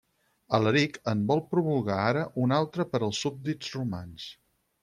Alaric en vol promulgar ara un altre per als súbdits romans.